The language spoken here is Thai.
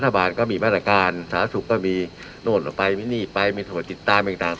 รัฐบาลก็มีมาตรการสหรัฐศุกร์ก็มีโน่นต่อไปมีนี่ไปมีส่วนติดตามอย่างต่าง